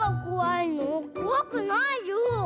こわくないよ。